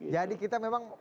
jadi kita memang